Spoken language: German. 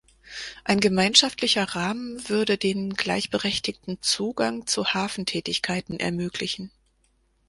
Ein gemeinschaftlicher Rahmen würde den gleichberechtigten Zugang zu Hafentätigkeiten ermöglichen.